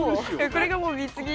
これがもう貢ぎ。